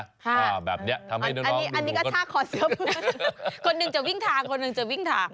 ค่ะอันนี้ก็ช่างขอเสื้อเพื่อนคนหนึ่งจะวิ่งทางคนหนึ่งจะวิ่งทาง